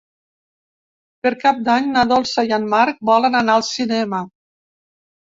Per Cap d'Any na Dolça i en Marc volen anar al cinema.